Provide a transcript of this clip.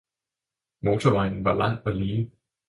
Motorvejen var lang og lige.